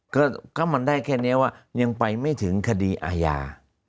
ก็มันได้แค่นี้ว่ายังไปไม่ถึงคดีอาญา